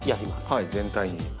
はい全体に。